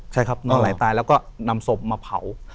ใช่ครับนอนไหลตายแล้วก็นำศพมาเผา